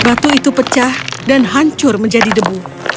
batu itu pecah dan hancur menjadi debu